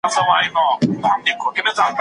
جنیتيک د غوړو سوځولو اغېز لري.